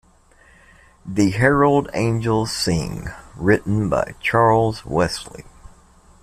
The Herald Angels Sing written by Charles Wesley.